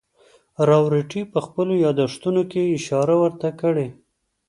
راورټي په خپلو یادښتونو کې اشاره ورته کړې.